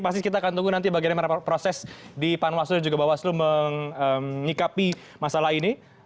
pasti kita akan tunggu nanti bagaimana proses di panwaslu dan juga bawaslu mengikapi masalah ini